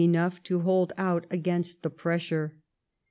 enough to hold out against the pressure.